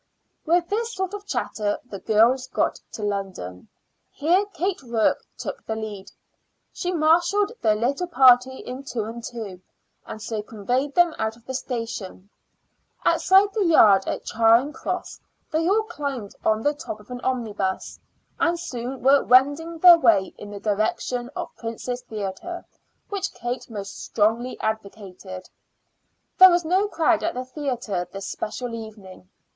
With this sort of chatter the girls got to London. Here Kate Rourke took the lead. She marshaled the little party in two and two, and so conveyed them out of the station. Outside the yard at Charing Cross they all climbed on the top of an omnibus, and soon were wending their way in the direction of the Princess' Theater, which Kate most strongly advocated. There was no crowd at the theater this special evening.